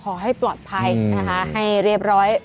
ขอให้ปลอดภัยนะคะให้เรียบร้อย